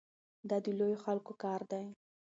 دا د لویو خلکو کار دی.